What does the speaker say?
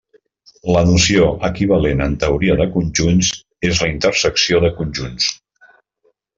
La noció equivalent en teoria de conjunts és la intersecció de conjunts.